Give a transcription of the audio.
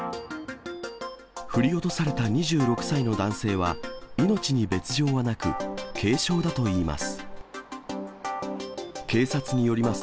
振り落とされた２６歳の男性は、命に別状はなく、軽傷だといいます。